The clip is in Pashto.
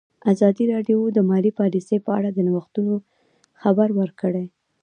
ازادي راډیو د مالي پالیسي په اړه د نوښتونو خبر ورکړی.